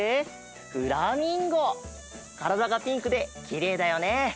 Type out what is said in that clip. フラミンゴ！からだがピンクできれいだよね。